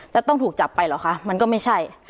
ต้องถูกจับไปเหรอคะมันก็ไม่ใช่